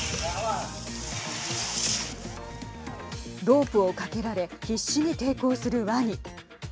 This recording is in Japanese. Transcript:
ロープをかけられ必死に抵抗するワニ。